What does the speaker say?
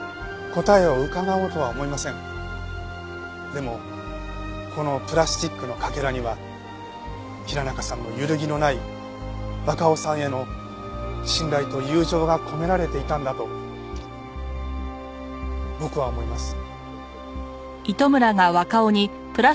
でもこのプラスチックのかけらには平中さんの揺るぎのない若尾さんへの信頼と友情が込められていたんだと僕は思います。